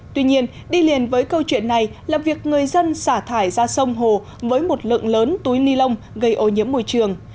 tuy nhiên đi liền với câu chuyện này là việc người dân xả thải ra sông hồ với một lượng lớn túi ni lông gây ô nhiễm môi trường